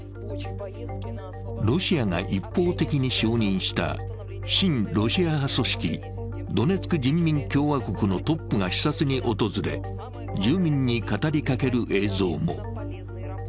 ロシアが一方的に承認した親ロシア派組織、ドネツィク人民共和国のトップが視察に訪れ、住民に語りかける映像も。